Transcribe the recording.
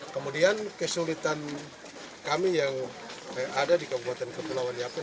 kemudian kesulitan kami yang ada di kabupaten kepulauan nyapu